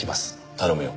頼むよ。